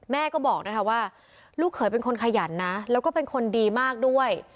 แม่ก็บอกนะคะว่าลูกเขยเป็นคนขยันนะแล้วก็เป็นคนดีมากด้วย